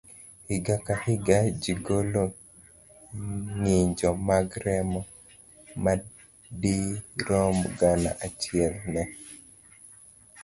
Higa ka higa, ji golo ng'injo mag remo madirom gana achiel ne